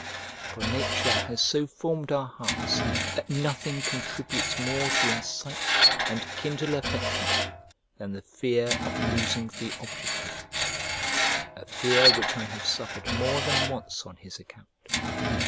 For nature has so formed our hearts that nothing contributes more to incite and kindle affection than the fear of losing the object of it: a fear which I have suffered more than once on his account.